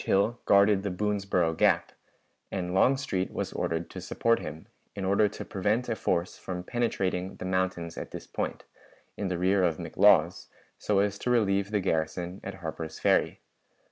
Hill guarded the Boonsboro Gap, and Longstreet was ordered to support him, in order to prevent a force from penetrating the mountains at this point, in the rear of McLaws, so as to relieve the garrison at Harper's Ferry.